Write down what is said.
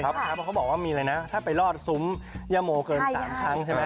เพราะเขาบอกว่ามีอะไรนะถ้าไปรอดซุ้มย่าโมเกิน๓ครั้งใช่ไหม